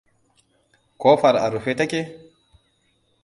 Kofar a rufe ta ke?